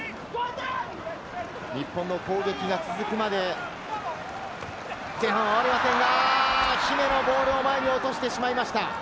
日本の攻撃が続くまで前半は終わりませんが、姫野、ボールを前に落としてしまいました。